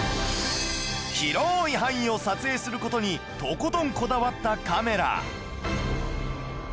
広い範囲を撮影する事にとことんこだわったカメラ